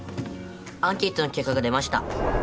アンケートの結果が出ました。